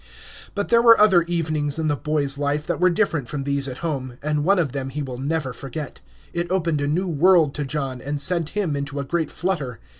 But there were other evenings in the boy's life, that were different from these at home, and one of them he will never forget. It opened a new world to John, and set him into a great flutter.